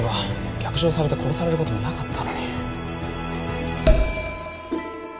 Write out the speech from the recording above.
逆上されて殺されることもなかったのに